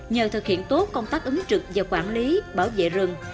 nhờ thực hiện tốt công tác ứng trực và quản lý bảo vệ rừng